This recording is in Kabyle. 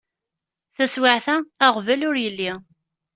Taswiεt-a aɣbel ur yelli.